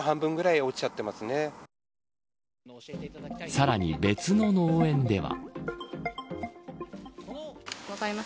さらに、別の農園では。